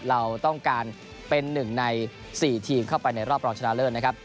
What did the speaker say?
เราต้องการเป็น๑ใน๔ทีมเข้าไปในรอบรองชนะเลิศนะครับ